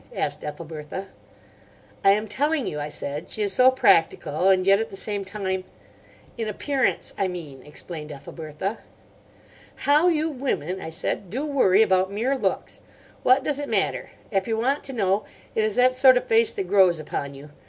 asked Ethelbertha. "I am telling you," I said. "She is so practical, and yet at the same time—" "In appearance, I mean," explained Ethelbertha. "How you women," I said, "do worry about mere looks! What does it matter? If you want to know, it is that sort of face that grows upon you.